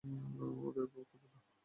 ওদের উপভোগ করতে দাও।